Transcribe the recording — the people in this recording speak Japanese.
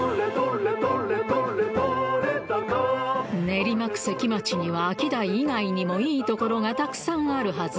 練馬区関町にはアキダイ以外にもいい所がたくさんあるはず